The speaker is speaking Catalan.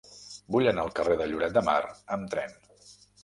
Vull anar al carrer de Lloret de Mar amb tren.